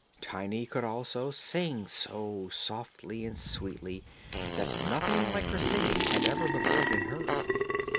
Tiny could, also, sing so softly and sweetly that nothing like her singing had ever before been heard.